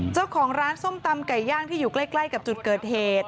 เจ้าของร้านส้มตำไก่ย่างที่อยู่ใกล้กับจุดเกิดเหตุ